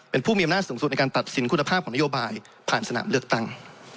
เป็นผู้มีอำนาจสูงสุดในการตัดสินคุณภาพของนโยบายผ่านสนามเลือกตั้ง